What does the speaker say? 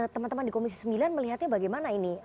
teman teman di komisi sembilan melihatnya bagaimana ini